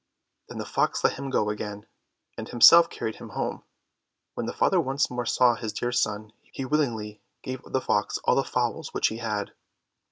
Then the fox let him go again, and himself carried him home. When the father once more saw his dear son, he willingly gave the fox all the fowls which he had.